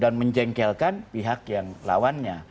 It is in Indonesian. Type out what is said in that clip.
dan menjengkelkan pihak yang lawannya